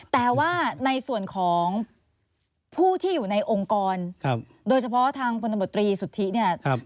แต่ว่าในส่วนของผู้ที่อยู่ในองค์กรโดยเฉพาะทางพลตมตรีสุทธิเนี่ย